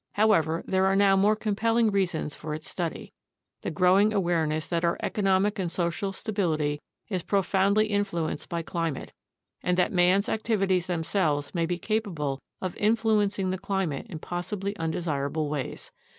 However, there are now more compelling reasons for its study: the growing awareness that our economic and social stability is pro foundly influenced by climate and that man's activities themselves may be capable of influencing the climate in possibly undesirable ways.